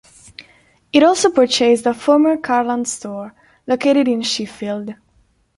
It also purchased a former Carland store located in Sheffield.